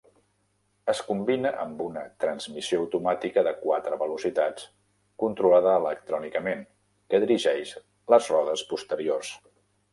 Es combina amb una transmissió automàtica de quatre velocitats, controlada electrònicament, que dirigeix les rodes posteriors.